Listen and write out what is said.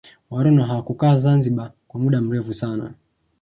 Wareno hawakukaa zanzibar kwa muda mrefu sana